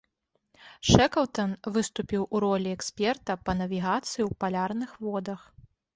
Шэклтан выступіў у ролі эксперта па навігацыі ў палярных водах.